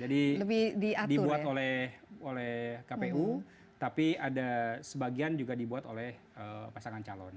jadi dibuat oleh kpu tapi ada sebagian juga dibuat oleh pasangan calon